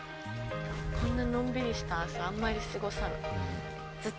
こんなのんびりした朝あんまり過ごさない。